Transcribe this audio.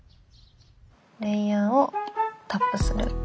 レイヤーをタップする。